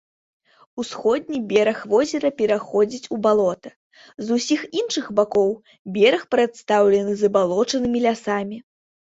Усходні бераг возера пераходзіць у балота, з усіх іншых бакоў бераг прадстаўлены забалочанымі лясамі.